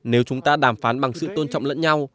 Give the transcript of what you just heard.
nếu chúng ta đàm phán bằng sự tôn trọng lẫn nhau